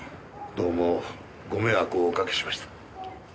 どうもご迷惑をおかけしました。